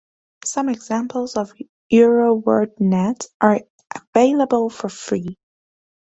Some examples of EuroWordNet are available for free.